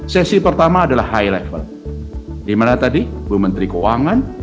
sesi pertama adalah high level di mana tadi bumenteri keuangan